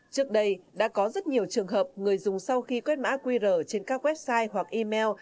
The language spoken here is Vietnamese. trước đây đã có rất nhiều trường hợp người dùng sau khi quét mã qr trên các website hoặc email